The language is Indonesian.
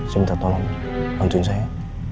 sebentar tolong bantuin saya